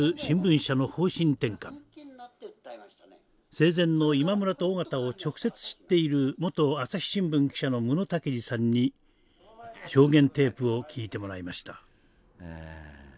生前の今村と緒方を直接知っている元朝日新聞記者の武野武治さんに証言テープを聞いてもらいました。